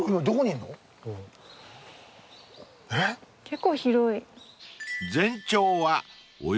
結構広い。